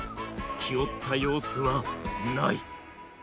気負った様子はない。